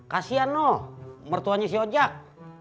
kasian noh mertuanya si ojak